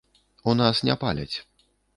У нас не паляць.